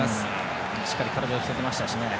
しっかり体を寄せていましたね。